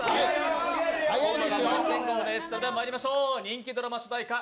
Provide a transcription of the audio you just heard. それではまいりましょう人気ドラマ主題歌